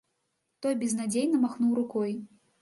Той безнадзейна махнуў рукой.